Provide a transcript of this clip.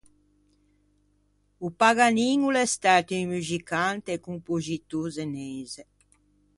O Paganin o l’é stæto un muxicante e compoxitô zeneise.